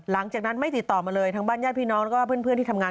หลังจากนั้นไม่ติดต่อมาเลยทั้งบ้านญาติพี่น้องแล้วก็เพื่อนที่ทำงาน